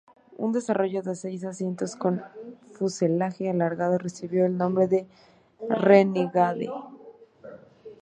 Un desarrollo de seis asientos con fuselaje alargado recibió el nombre de Renegade.